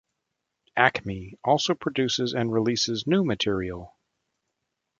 Acme also produces and releases new material.